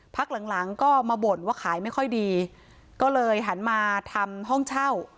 พักหลังหลังก็มาบ่นว่าขายไม่ค่อยดีก็เลยหันมาทำห้องเช่า